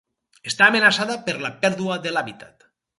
Està amenaçada per la pèrdua de l'hàbitat.